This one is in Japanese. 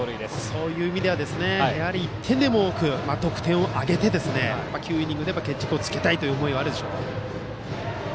そういう意味では１点でも多く得点を挙げて９イニングで決着をつけたい思いはあるでしょう。